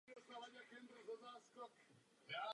Dovolte mi zopakovat a zdůraznit hlavní body zprávy.